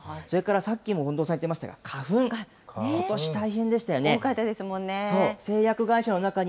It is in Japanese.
それからさっきも近藤さん言ってましたが、花粉、ことし大変でし多かったですもんね。